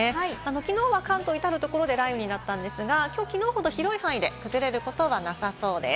きのうは関東、いたるところで雷雨になったんですが、今日はきのうほど広い範囲で崩れるところはなさそうです。